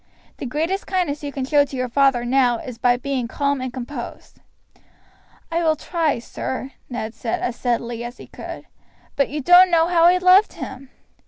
The greatest kindness you can show to your father new is by being calm and composed." "I will try, sir," Ned said as steadily as he could; "but you don't know how I loved him!"